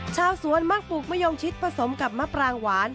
ชาวสวนมักปลูกมะยงชิดผสมกับมะปรางหวาน